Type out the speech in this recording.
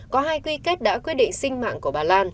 có hai quy kết đã quyết định sinh mạng của bà lan